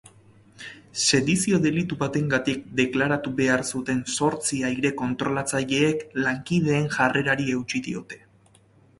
Sedizio delitu batengatik deklaratu behar zuten zortzi aire-kontrolatzaileek lankideen jarrerari eutsi diote.